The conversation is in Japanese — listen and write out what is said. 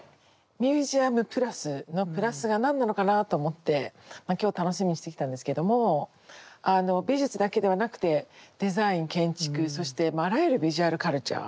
ミュージアムプラスの「プラス」が何なのかなと思って今日楽しみにしてきたんですけども美術だけではなくてデザイン建築そしてあらゆるビジュアルカルチャー。